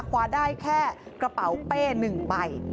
คว้าได้แค่กระเป๋าเป้หนึ่งไป